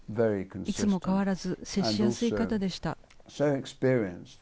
いつも変わらず接しやすい方でした。